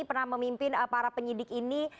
pernah memimpin para penyidik ini